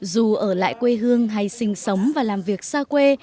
dù ở lại quê hương hay sinh sống và làm việc xa quê